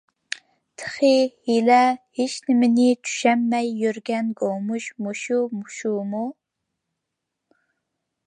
تېخى ھېلىلا ھېچنېمىنى چۈشەنمەي يۈرگەن گومۇش مۇشۇ شۇمۇ.